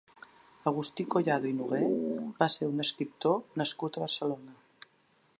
Agustí Collado i Nogué va ser un escriptor nascut a Barcelona.